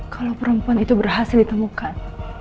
kalau perempuan itu berhasil ditemukan